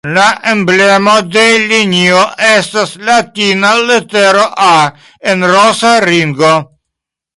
La emblemo de linio estas latina litero "A" en rosa ringo.